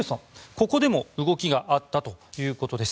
ここでも動きがあったということです。